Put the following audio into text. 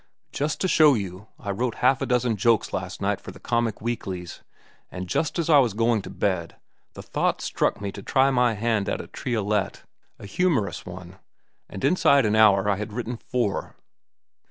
Just to show you, I wrote half a dozen jokes last night for the comic weeklies; and just as I was going to bed, the thought struck me to try my hand at a triolet—a humorous one; and inside an hour I had written four.